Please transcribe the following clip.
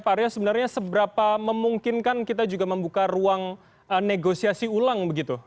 pak arya sebenarnya seberapa memungkinkan kita juga membuka ruang negosiasi ulang begitu